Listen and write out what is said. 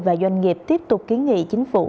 và doanh nghiệp tiếp tục ký nghị chính phủ